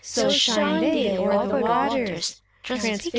So shine they o'er the waters.